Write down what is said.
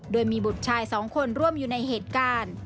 โดยมีบุตรชาย๒คนร่วมอยู่ในเหตุการณ์